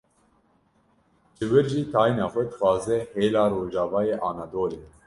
ji wir jî tayîna xwe dixwaze hêla rojavayê Anadolê